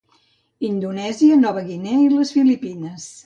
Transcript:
Indonèsia, Nova Guinea i les Filipines.